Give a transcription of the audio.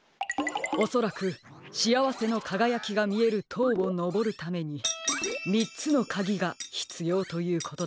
おそらく「しあわせのかがやき」がみえるとうをのぼるために３つのかぎがひつようということでしょう。